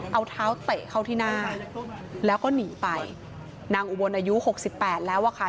เอาเท้าเตะเข้าที่หน้าแล้วก็หนีไปนางอุบลอายุหกสิบแปดแล้วอะค่ะ